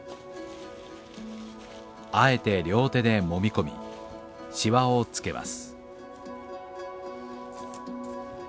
あえて両手でもみ込みシワをつけます。